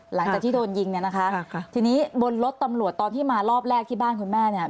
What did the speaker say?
หลังจากที่โดนยิงเนี่ยนะคะทีนี้บนรถตำรวจตอนที่มารอบแรกที่บ้านคุณแม่เนี่ย